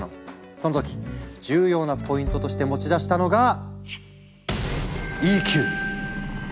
その時重要なポイントとして持ち出したのが「ＥＱ」！